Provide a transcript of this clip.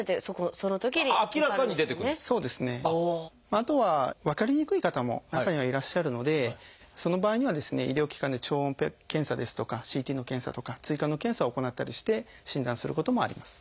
あとは分かりにくい方も中にはいらっしゃるのでその場合にはですね医療機関で超音波検査ですとかＣＴの検査とか追加の検査を行ったりして診断することもあります。